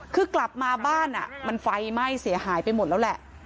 คือกลับมาบ้านมันไฟไหม้เสียหายไปหมดแล้วแหละ